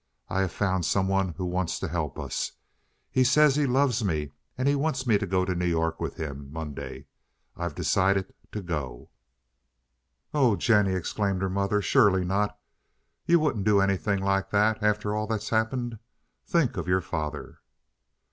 I have found some one who wants to help us. He says he loves me, and he wants me to go to New York with him Monday. I've decided to go." "Oh, Jennie!" exclaimed her mother. "Surely not! You wouldn't do anything like that after all that's happened. Think of your father."